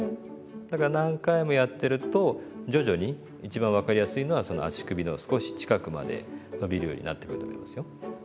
だから何回もやってると徐々に一番分かりやすいのはその足首の少し近くまで伸びるようになってくると思いますよ。